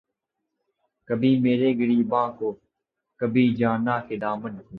کبھی میرے گریباں کو‘ کبھی جاناں کے دامن کو